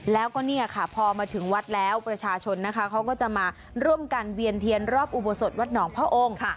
แล้วก็เนี่ยค่ะพอมาถึงวัดแล้วประชาชนนะคะเขาก็จะมาร่วมกันเวียนเทียนรอบอุโบสถวัดหนองพระองค์